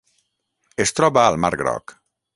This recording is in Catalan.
Es troba al Mar Groc.